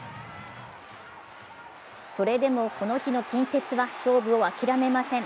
それでも、この日の近鉄は勝負を諦めません。